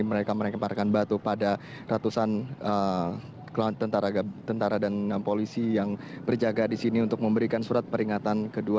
mereka melemparkan batu pada ratusan tentara dan polisi yang berjaga di sini untuk memberikan surat peringatan kedua